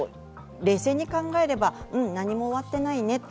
冷静に考えれば、何も終わってないね